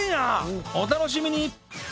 お楽しみに！